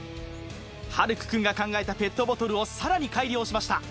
晴空くんが考えたペットボトルをさらに改良しました